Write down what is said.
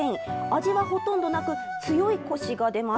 味はほとんどなく、強いこしが出ます。